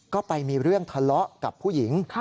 ก็ไปมีเรื่องทะเลาะกับผู้หญิง